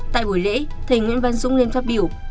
tại buổi lễ thầy nguyễn văn dũng lên phát biểu